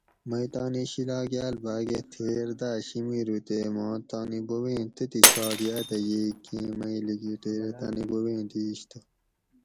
مئ تانی شیلاگاۤل بھاگہ تھیر داۤ شیمیرو تے ماں تانی بوبیں تتھی چھاٹ یاۤدہ ییگ کیں مئ لیکیٹیرہ تانی بوبیں دِیش تہ